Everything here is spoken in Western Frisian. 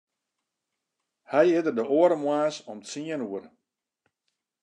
Hy is der de oare moarns om tsien oere.